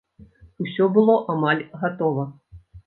Усё было амаль гатова.